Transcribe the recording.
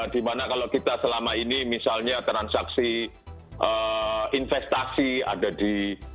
dimana kalau kita selama ini misalnya transaksi investasi ada di